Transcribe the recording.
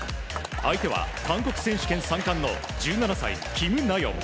相手は韓国選手権３冠の１７歳、キム・ナヨン。